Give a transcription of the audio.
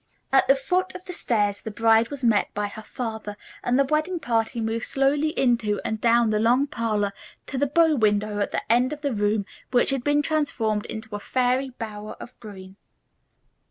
At the foot of the stairs the bride was met by her father, and the wedding party moved slowly into and down the long parlor to the bow window at the end of the room which had been transformed into a fairy bower of green.